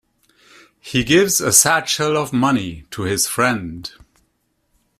He gives a satchel of money to his friend.